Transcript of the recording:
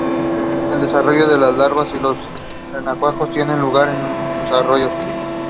For days Tillie hovers on the brink of death.